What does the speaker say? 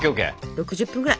６０分ぐらい？